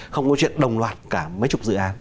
không có chuyện đồng loạt cả mấy chục dự án